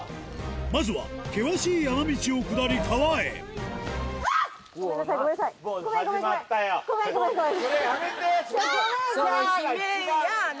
まずは険しい山道を下り川へその悲鳴嫌ね